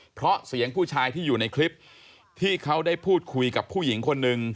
เพราะเสียงผู้ชายที่อยู่ในคลิปที่เขาได้พูดคุยกับผู้หญิงคนหนึ่ง